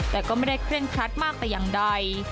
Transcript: แต่ก็ไม่ได้เคลื่อนคลัดมากกว่าอย่างใด